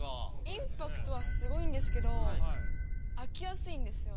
インパクトはすごいんですけど飽きやすいんですよ。